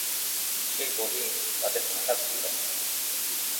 সেই বোলিং তাদের ভাসাচ্ছিল।